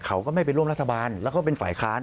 เขาก็ไม่ไปร่วมรัฐบาลแล้วเขาเป็นฝ่ายค้าน